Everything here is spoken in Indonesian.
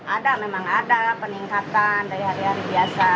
ada memang ada peningkatan dari hari hari biasa